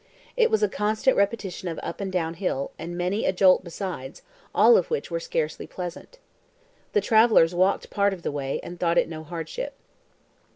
It was a constant repetition of up and down hill, and many a jolt besides, all of which were scarcely pleasant. The travelers walked part of the way, and thought it no hardship.